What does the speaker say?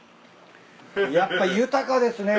やっぱ豊かですね